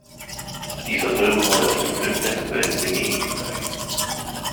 Dieser Film wurde auf dem Filmfestival in Venedig gezeigt.